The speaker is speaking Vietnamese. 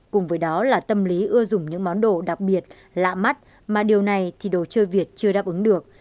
cùng với đó là tâm lý ưa dùng những món đồ đặc biệt lạ mắt mà điều này thì đồ chơi việt chưa đáp ứng được